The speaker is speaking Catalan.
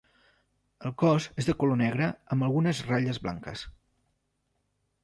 El cos és de color negre amb algunes ratlles blanques.